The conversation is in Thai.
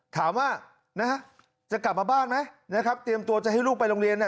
ถามว่านะฮะจะกลับมาบ้านไหมนะครับเตรียมตัวจะให้ลูกไปโรงเรียน